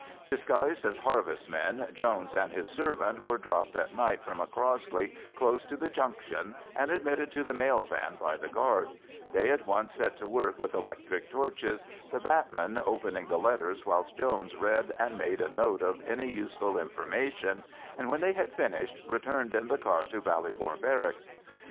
Disguised as harvestmen, Jones and his servant were dropped at night from a Crossley close to the junction and admitted to the mail van by the guard; they at once set to work with electric torches, the batman opening the letters, whilst Jones read and made a note of any useful information, and when they had finished returned in the car to Ballybor Barracks.